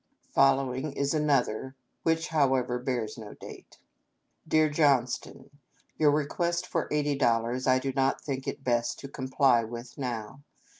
Following is another, which, however, bears no aate :" Dear Johnston ." Your request for eighty dollars I do not think it best to comply with now.